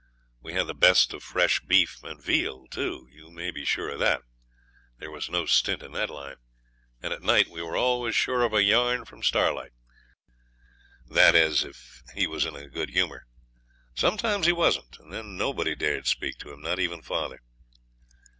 We had the best of fresh beef and veal too you may be sure of that there was no stint in that line; and at night we were always sure of a yarn from Starlight that is, if he was in a good humour. Sometimes he wasn't, and then nobody dared speak to him, not even father.